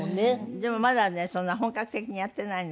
でもまだねそんな本格的にやってないの。